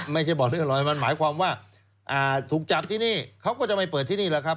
ไม่ใช่บอกเรื่องรอยมันหมายความว่าถูกจับที่นี่เขาก็จะไปเปิดที่นี่แหละครับ